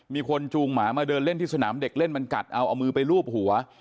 จูงหมามาเดินเล่นที่สนามเด็กเล่นมันกัดเอาเอามือไปลูบหัว